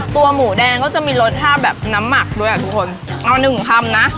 หมูแดงก็จะมีรสชาติแบบน้ำหมักด้วยอ่ะทุกคนเอาหนึ่งคำนะ